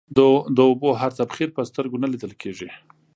د اوبو هر تبخير په سترگو نه ليدل کېږي.